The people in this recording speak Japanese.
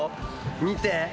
見て。